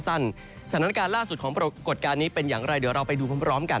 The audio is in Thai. สถานการณ์ล่าสุดของปรากฏการณ์นี้เป็นอย่างไรเดี๋ยวเราไปดูพร้อมกัน